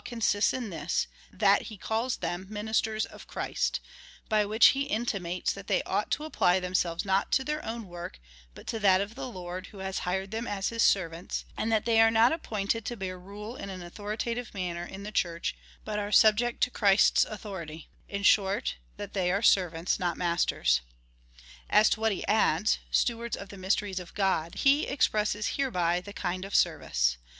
consists in this, that he calls them ministers of Christ ; by which he intimates, that they ought to apply themselves not to their own work but to that of the Lord, who has hired them as his servants, and that they are not appointed to bear rule in an authoritative manner in the Church, but are subject to Christ's authority^ — in short, that they are servants, not masters. As to what he adds — stewards of the mysteries of God, he expresses hereby the kind of service.